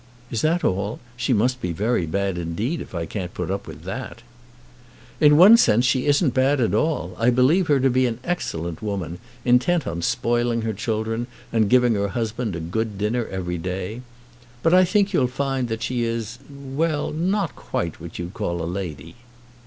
"Is that all? She must be very bad indeed if I can't put up with that." "In one sense she isn't bad at all. I believe her to be an excellent woman, intent on spoiling her children and giving her husband a good dinner every day. But I think you'll find that she is, well, not quite what you call a lady."